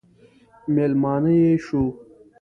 مېلمانه یې شو.